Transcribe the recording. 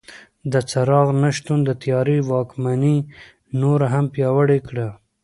د څراغ نه شتون د تیارې واکمني نوره هم پیاوړې کړه.